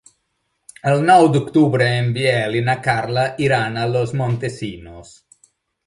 El nou d'octubre en Biel i na Carla iran a Los Montesinos.